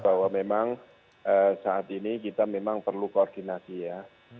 bahwa memang saat ini kita memang perlu koordinasi ya